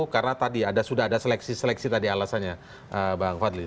karena tadi sudah ada seleksi seleksi tadi alasannya pak fadli